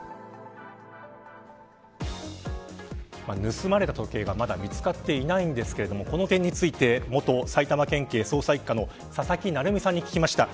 盗まれた時計はまだ見つかっていないんですがこの点について元埼玉県警捜査一課の佐々木成三さんに聞きました。